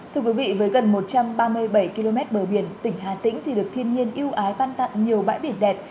thưa quý vị với gần một trăm ba mươi bảy km bờ biển tỉnh hà tĩnh thì được thiên nhiên yêu ái ban tặng nhiều bãi biển đẹp